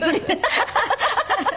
ハハハハ。